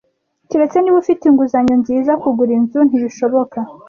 Keretse niba ufite inguzanyo nziza, kugura inzu ntibishoboka.